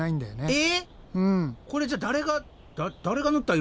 え？